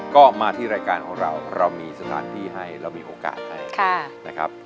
ก็มาที่รายการของเราเรามีสถานที่ให้เรามีโอกาสให้นะครับ